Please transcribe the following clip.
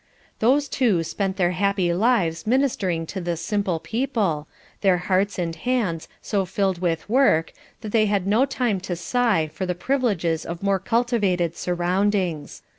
These two spent their happy lives ministering to this simple people, their hearts and hands so filled with work that they had no time to sigh for the privileges of more cultivated surroundings.